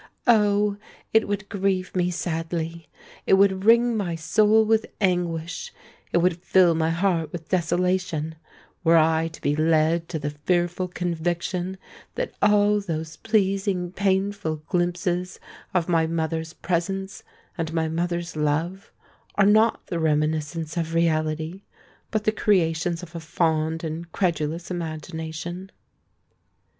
Oh! it would grieve me sadly—it would wring my soul with anguish—it would fill my heart with desolation, were I to be led to the fearful conviction that all those pleasing painful glimpses of my mother's presence and my mother's love are not the reminiscences of reality, but the creations of a fond and credulous imagination."